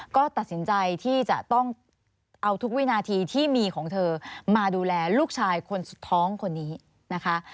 ก็ตัดสินใจที่จะต้องเอาทุกวินาทีที่มีของเธอมาดูแลลูกชายคนสุดท้องคนนี้นะคะ